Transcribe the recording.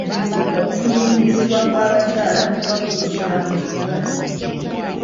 Okutulugunyizibwa kw'abakyala kuba kusosola mu kikula.